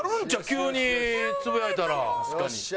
急につぶやいたら。